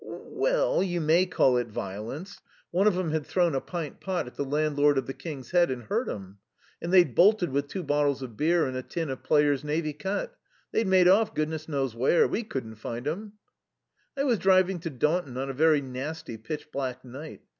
"Well, you may call it violence. One of 'em had thrown a pint pot at the landlord of the King's Head and hurt him. And they'd bolted with two bottles of beer and a tin of Player's Navy Cut. They'd made off, goodness knows where. We couldn't find 'em. "I was driving to Daunton on a very nasty, pitch black night.